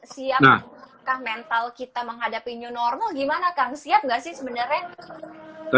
siap nah kan mental kita menghadapi new normal gimana kang siap gak sih sebenarnya